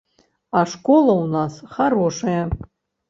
А школа ў нас харошая.